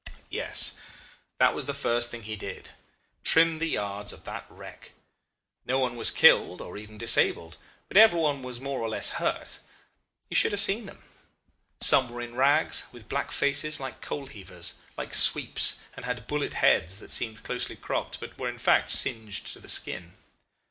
"Yes; that was the first thing we did trim the yards of that wreck! No one was killed, or even disabled, but everyone was more or less hurt. You should have seen them! Some were in rags, with black faces, like coal heavers, like sweeps, and had bullet heads that seemed closely cropped, but were in fact singed to the skin.